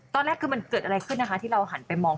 ตอนแรกคือมันเกิดอะไรขึ้นนะคะที่เราหันไปมอง